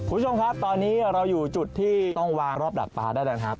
คุณผู้ชมครับตอนนี้เราอยู่จุดที่ต้องวางรอบดักปลาได้แล้วนะครับ